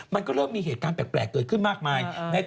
มันก็เริ่มมีเหตุการณ์แปลกเกิดขึ้นมากมาย